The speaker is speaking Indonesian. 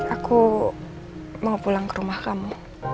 aku mau pulang ke rumah kamu